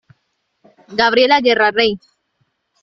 Gabriela Guerra Rey.